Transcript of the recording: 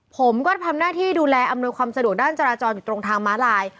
ผมก็ทำหน้าที่ดูแลอำนวยความสะดวกด้านจราจรอยู่ตรงทางม้าลาย